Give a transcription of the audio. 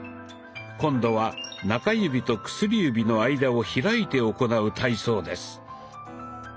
今度は中指と薬指の間を開いて行う体操です。